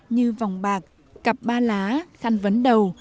như vòng bạc cặp ba lá khăn vấn đầu